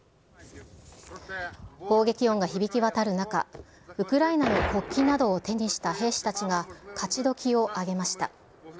砲撃音が響き渡る中、ウクライナの国旗などを手にした兵士たちが、勝どきを上げました。